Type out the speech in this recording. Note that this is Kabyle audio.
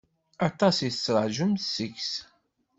Aṭas i tettṛaǧumt seg-s.